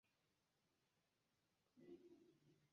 Ankoraŭ vivante ŝi jam iĝis legendo kaj estis mondfama.